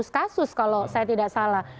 kasus kalau saya tidak salah